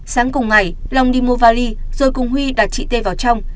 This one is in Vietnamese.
sáng cùng ngày long đi mua vali rồi cùng huy đặt chị t vào trong